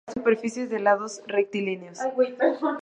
Era posible cuadrar superficies de lados rectilíneos.